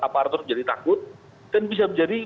aparatur menjadi takut dan bisa menjadi